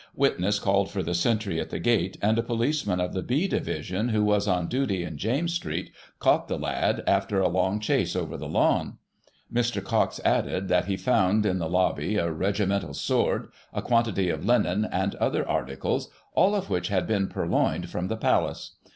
Witness called for the sentry at the gate, and a policeman of the B Division who was on duty in James Street, caught the lad, after a long chase over the lawn. Mr. Cox added, that he found, in the lobby, a regimental sword, a quantity of linen, and other articles, all of which had been purloined from the Palace.